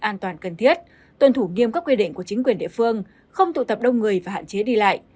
an toàn cần thiết tuân thủ nghiêm các quy định của chính quyền địa phương không tụ tập đông người và hạn chế đi lại